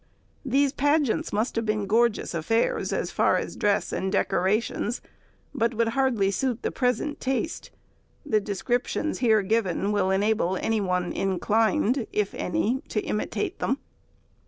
These pageants must have been gorgeous affairs, as far as dress and decorations, but would hardly suit the present taste; the descriptions here given will enable any one inclined (if any) to imitate them.